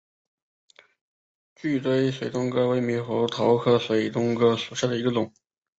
聚锥水东哥为猕猴桃科水东哥属下的一个种。